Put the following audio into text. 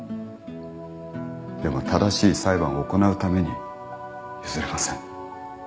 でも正しい裁判を行うために譲れません。